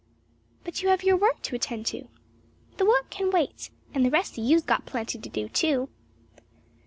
"But you have your work to attend to." "The work can wait. And the rest o' you's got plenty to do too."